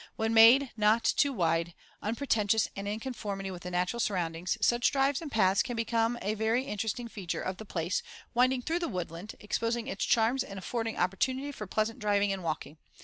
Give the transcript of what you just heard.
When made not too wide, unpretentious and in conformity with the natural surroundings, such drives and paths can become a very interesting feature of the place, winding through the woodland, exposing its charms and affording opportunity for pleasant driving and walking.